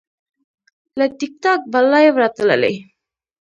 له ټیک ټاک به لایو راتللی